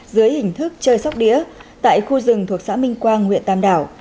dưới hình thức chơi sóc đĩa tại khu rừng thuộc xã minh quang huyện tam đảo